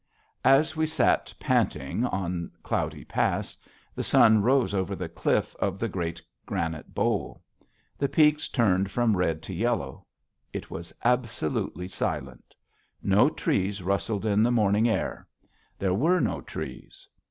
As we sat panting on Cloudy Pass, the sun rose over the cliff of the great granite bowl. The peaks turned from red to yellow. It was absolutely silent. No trees rustled in the morning air. There were no trees.